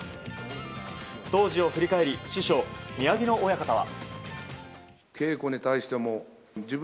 当時を振り返り師匠・宮城野親方は。